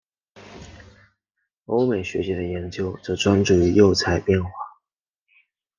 欧美学界的研究则专注于釉彩变化。